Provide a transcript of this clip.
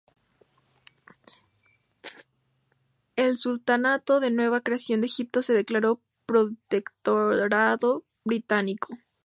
El Sultanato de nueva creación de Egipto se declaró protectorado británico.